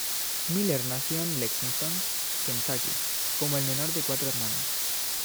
Miller nació en Lexington, Kentucky, como el menor de cuatro hermanos.